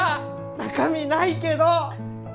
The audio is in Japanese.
中身ないけど！